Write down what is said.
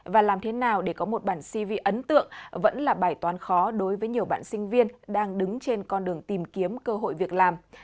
và làm thế nào để có một bản cv ấn tượng vẫn là bài toán khó đối với nhiều bạn sinh viên đang đứng trên con đường tìm kiếm cơ hội việc làm